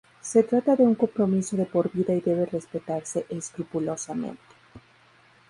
Se trata de un compromiso de por vida y debe respetarse escrupulosamente.